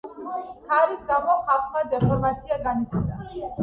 ქარის გამო ხმალმა დეფორმაცია განიცადა.